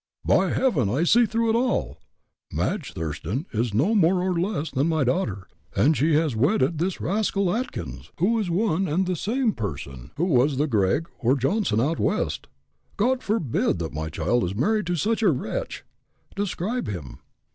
"By Heaven! I see through it all! Madge Thurston is no more or less than my daughter, and she has wedded this rascal, Atkins, who is one and the same person who was the Gregg or Johnson out West. God forbid that my child is married to such a wretch. Describe him."